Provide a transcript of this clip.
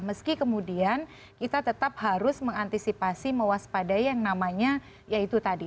meski kemudian kita tetap harus mengantisipasi mewaspadai yang namanya ya itu tadi